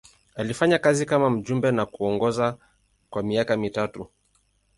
Alifanya kazi kama mjumbe na kuongoza kwa miaka mitatu.